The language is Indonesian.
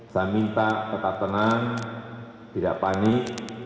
saya minta tetap tenang tidak panik